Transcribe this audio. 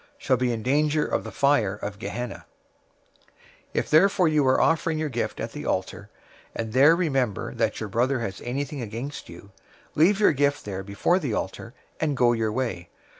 shall be in danger of the fire of Gehenna.{or, Hell} 005:023 "If therefore you are offering your gift at the altar, and there remember that your brother has anything against you, 005:024 leave your gift there before the altar, and go your way.